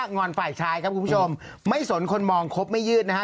งอนฝ่ายชายครับคุณผู้ชมไม่สนคนมองครบไม่ยืดนะฮะ